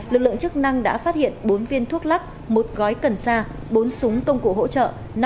lực lượng chức năng đã phát hiện bốn viên thuốc lắc một gói cần sa bốn súng công cụ hỗ trợ